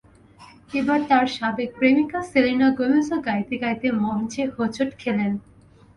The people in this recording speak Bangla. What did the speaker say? এবার তাঁর সাবেক প্রেমিকা সেলেনা গোমেজও গাইতে গাইতে মঞ্চে হোঁচট খেলেন।